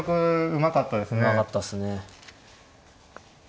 うまかったっすね。